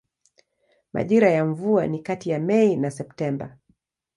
Majira ya mvua ni kati ya Mei na Septemba.